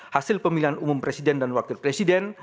hasil pemilihan umum presiden dan wakil presiden